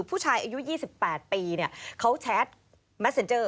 ผู้ชายอายุ๒๘ปีเขาแชทแมทเซ็นเจอร์